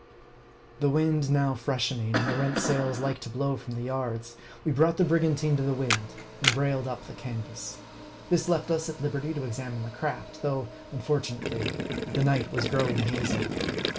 The wind now freshening, and the rent sails like to blow from the yards, we brought the brigantine to the wind, and br ailed up the canvas. This left us at liberty to examine the craft, though, unfortunately, the night was growing hazy.